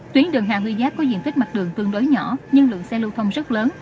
tuyến đường hà huy giáp có diện tích mặt đường tương đối nhỏ nhưng lượng xe lưu thông rất lớn